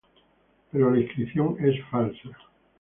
Pero la inscripción es falsa.